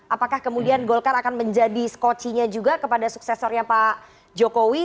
apakah kemudian golkar akan menjadi skocinya juga kepada suksesornya pak jokowi